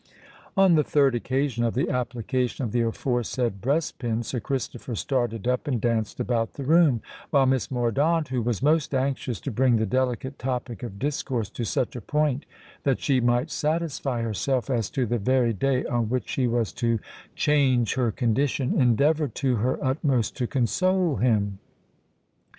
On the third occasion of the application of the aforesaid breast pin, Sir Christopher started up and danced about the room, while Miss Mordaunt, who was most anxious to bring the delicate topic of discourse to such a point that she might satisfy herself as to the very day on which she was to change her condition, endeavoured to her utmost to console him.